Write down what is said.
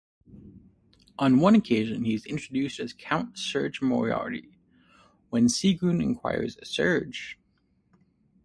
On one occasion, he is introduced as "Count 'Serge' Moriarty"; when Seagoon enquires "Serge?